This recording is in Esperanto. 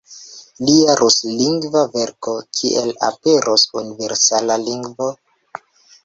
Lia ruslingva verko "Kiel aperos universala lingvo?